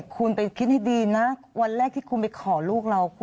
คุณไปคิดให้ดีนะวันแรกที่คุณไปขอลูกเรา